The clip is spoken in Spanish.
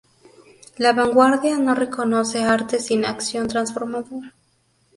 La vanguardia no reconoce arte sin acción transformadora.